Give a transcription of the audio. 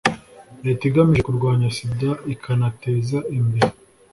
leta igamije kurwanya sida ikanateza imbere